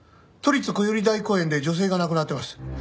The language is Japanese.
都立こより台公園で女性が亡くなってます。